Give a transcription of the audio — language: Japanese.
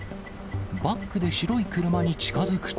バックで白い車に近づくと。